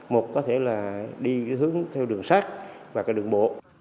một có thể là đi hướng theo đường sát và đường bộ